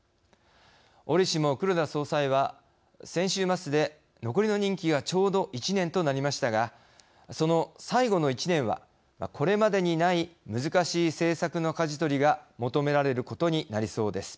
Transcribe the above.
折しも黒田総裁は先週末で、残りの任期がちょうど１年となりましたがその最後の１年はこれまでにない難しい政策のかじ取りが求められることになりそうです。